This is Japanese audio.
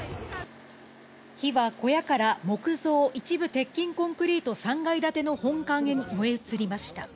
火は小屋から木造一部鉄筋コンクリート３階建ての本館へ燃え移りました。